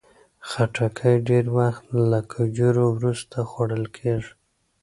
خټکی ډېر وخت له کجورو وروسته خوړل کېږي.